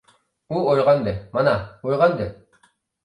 ئۇ ئويغاندى، مانا، ئويغاندى!